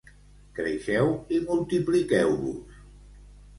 Creixeu i multipliqueu-vos.